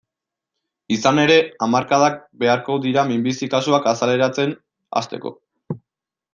Izan ere, hamarkadak beharko dira minbizi kasuak azaleratzen hasteko.